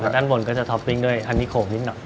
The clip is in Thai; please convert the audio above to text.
ด้านบนก็จะท็อปปิ้งด้วยอันนี้โข่งนิดหน่อย